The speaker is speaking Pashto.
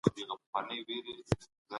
که د وګړو شمېر زیات سي عاید به کم سي.